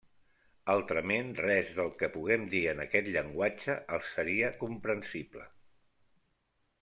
Altrament, res del que puguem dir en aquest llenguatge els seria comprensible.